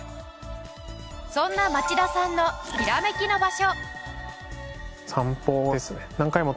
そんな町田さんのヒラメキの場所。